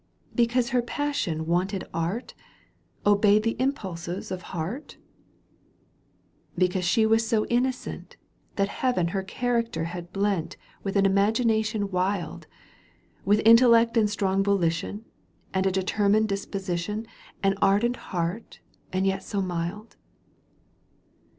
— Because her passion wanted art, Obeyed the impulses of heart ?— Because she was so innocent, '^ That Heaven her character had blent With an imagination wild. With intellect and strong volition And a determined disposition. An ardent heart and yet so mild